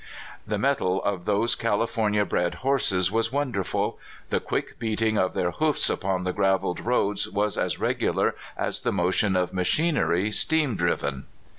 The mettle of those California bred horses was wonderful; the quick beating of their hoofs upon the graveled roads was as regular as the motion of machinery, steam driven.